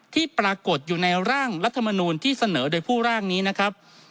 ที่ปรากฏอยู่ในร่างรัฐมนูลที่เสนอโดยผู้ร่างนี้นะครับ